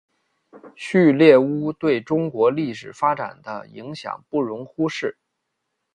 旭烈兀对中国历史发展的影响不容忽视。